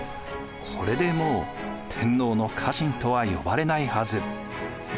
これでもう天皇の家臣とは呼ばれないはず。